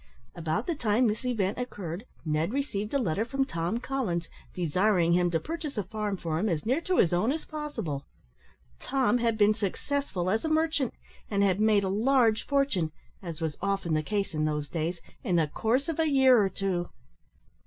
About the time this event occurred, Ned received a letter from Tom Collins, desiring him to purchase a farm for him as near to his own as possible. Tom had been successful as a merchant, and had made a large fortune as was often the case in those days in the course of a year or two.